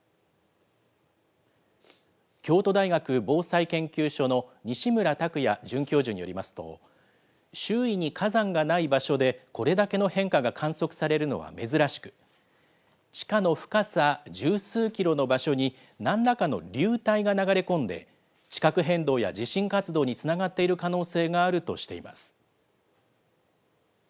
京都大学防災研究所の西村卓也准教授によりますと、周囲に火山がない場所でこれだけの変化が観測されるのは珍しく、地下の深さ十数キロの場所に、なんらかの流体が流れ込んで、地殻変動や地震活動につながっている可能性があるとしています。